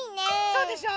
そうでしょ？